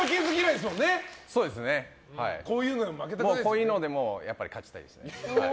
こういうのでも勝ちたいですね。